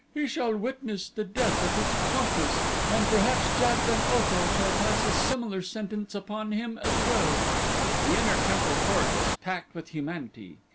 "He shall witness the death of his accomplice and perhaps Jad ben Otho shall pass a similar sentence upon him as well." The inner temple court was packed with humanity.